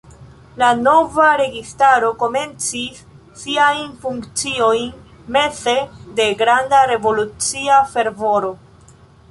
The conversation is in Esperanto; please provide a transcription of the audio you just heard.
La nova registaro komencis siajn funkciojn meze de granda revolucia fervoro.